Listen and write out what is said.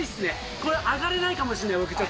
これ、上がれないかもしれない、僕。